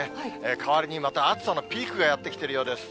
代わりにまた暑さのピークがやって来ているようです。